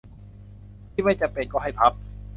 ที่ไม่จำเป็นก็ให้พับ